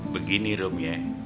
begini orm ya